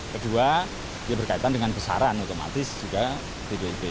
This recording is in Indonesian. kedua dia berkaitan dengan besaran otomatis juga bpip